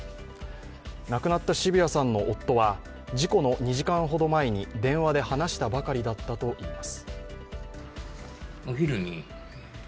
亡くなった渋谷さんの夫は事故の２時間ほど前に電話で話したばかりだったといいます。